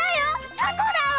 タコだわ。